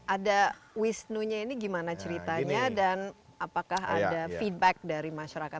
ada wisnunya ini gimana ceritanya dan apakah ada feedback dari masyarakat